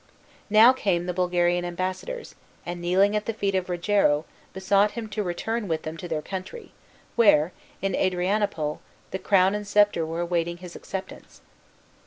Now came the Bulgarian ambassadors, and, kneeling at the feet of Rogero, besought him to return with them to their country, where, in Adrianople, the crown and sceptre were awaiting his acceptance.